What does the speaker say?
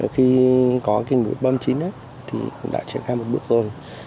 khi có nghị quyết ba mươi chín thì cũng đã triển khai một bước rồi